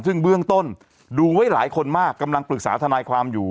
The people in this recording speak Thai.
ซึ่งเบื้องต้นดูไว้หลายคนมากกำลังปรึกษาทนายความอยู่